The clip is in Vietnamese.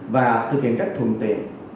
và thực hiện rất thuận tiện